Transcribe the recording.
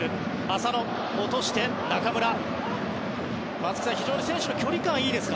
松木さん、非常に選手の距離感がいいですか？